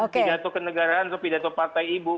pidato kenegaraan atau pidato partai ibu